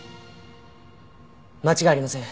間違いありません。